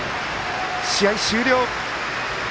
試合終了。